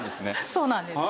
そうなんです。